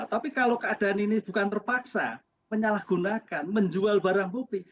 tapi kalau keadaan ini bukan terpaksa menyalahgunakan menjual barang bukti